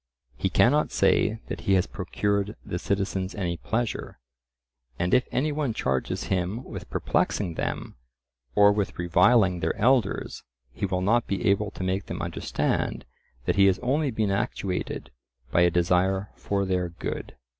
He cannot say that he has procured the citizens any pleasure, and if any one charges him with perplexing them, or with reviling their elders, he will not be able to make them understand that he has only been actuated by a desire for their good.